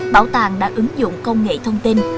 bảo tàng đã ứng dụng công nghệ thông tin